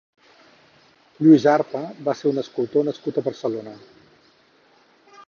Lluís Arpa va ser un escultor nascut a Barcelona.